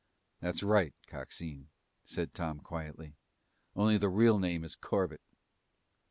"That's right, Coxine," said Tom quietly, "only the real name is Corbett."